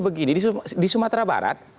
begini di sumatera barat